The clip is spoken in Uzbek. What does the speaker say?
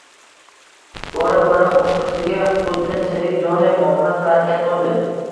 Bora-bora u kursiga xuddi tirik jonday muomala qiladigan bo`ldi